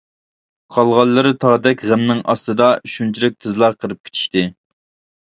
قالغانلىرى تاغدەك غەمنىڭ ئاستىدا شۇنچىلىك تېزلا قېرىپ كېتىشتى.